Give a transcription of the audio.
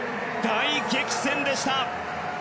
大激戦でした！